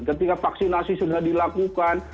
ketika vaksinasi sudah dilakukan